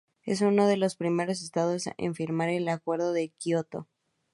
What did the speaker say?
Es uno de los primeros estados en firmar el Acuerdo de Kyoto.